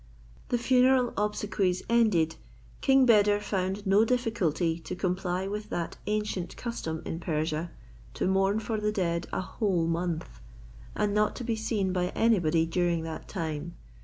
The funeral obsequies ended, King Beder found no difficulty to comply with that ancient custom in Persia to mourn for the dead a whole month and not to be seen by anybody during that time.